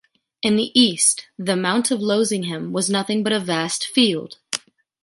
In the East, the Mount of Lozinghem was nothing but a vast field.